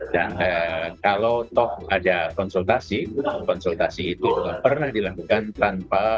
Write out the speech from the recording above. dan kalau toh ada konsultasi konsultasi itu pernah dilakukan tanpa